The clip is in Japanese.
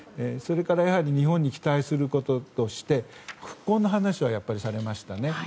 それから日本に期待することとして復興の話はやはりされましたね。